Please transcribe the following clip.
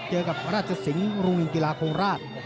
เจอกับราชสิงห์โรงเรียนกีฬาโคราช